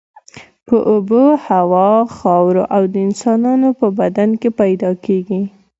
په اوبو، هوا، خاورو او د انسانانو په بدن کې پیدا کیږي.